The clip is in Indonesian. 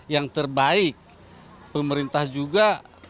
yang terbaik pemerintah juga